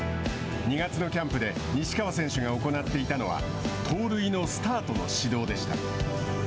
２月のキャンプで西川選手が行っていたのは盗塁のスタートの指導でした。